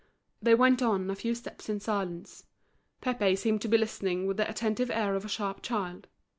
They went on a few steps in silence. Pépé seemed to be listening with the attentive air of a sharp child.